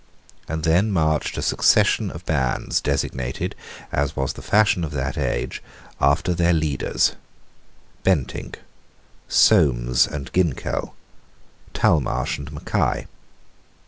And then marched a succession of bands designated, as was the fashion of that age, after their leaders, Bentinck, Solmes and Ginkell, Talmash and Mackay.